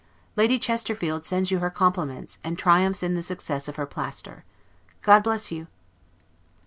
Lady Chesterfield sends you her compliments, and triumphs in the success of her plaster. God bless you!